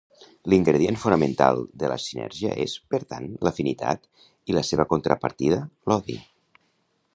L'ingredient fonamental de la sinergia és, per tant, l'afinitat i la seva contrapartida, l'odi.